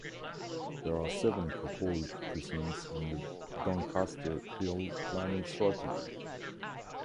There are seven proposed precincts in the Doncaster Hill planning strategy.